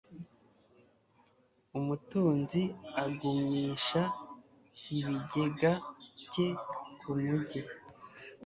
Umutunzi agumisha ibigega bye kumugi